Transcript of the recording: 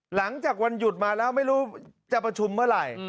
หลังจากวันหยุดมาแล้วไม่รู้จะประชุมเมื่อไหร่